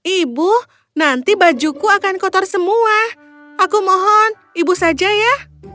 ibu nanti bajuku akan kotor semua aku mohon ibu saja ya